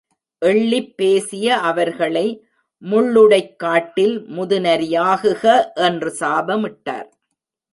எள்ளிப் பேசிய அவர் களை முள்ளுடைக் காட்டில் முதுநரியாகுக என்று சாபமிட்டார்.